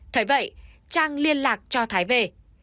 thế vậy trang liên lạc cho thái về